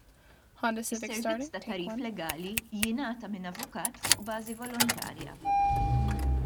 Is-servizz ta' tagħrif legali jingħata minn avukat fuq bażi volontarja.